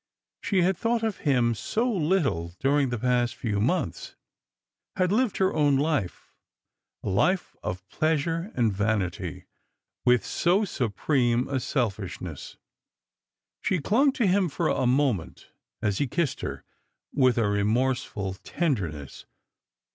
She had thought of him so litlle during the last few months ; had lived her own life — a life of pleasure and vanity — with so supreme a selfishness. Sha Strangers and Pilgrims. 227 clung to him for a moment, aa he kissed her, with a remorseful tenderness.